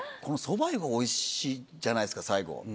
このそば湯がおいしいじゃないですか最後。